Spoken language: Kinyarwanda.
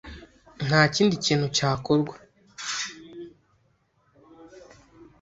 Nta kindi kintu cyakorwa